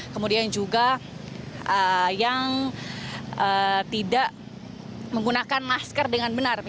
kemudian juga yang tidak menggunakan masker dengan benar